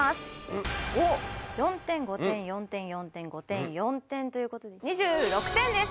４点５点４点４点５点４点という事で２６点です！